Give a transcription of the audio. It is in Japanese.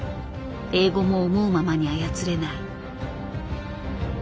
英語も思うままに操れない。